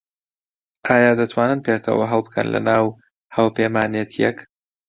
ئایا دەتوانن پێکەوە هەڵبکەن لەناو هاوپەیمانێتییەک؟